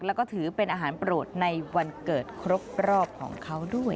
แล้วก็ถือเป็นอาหารโปรดในวันเกิดครบรอบของเขาด้วย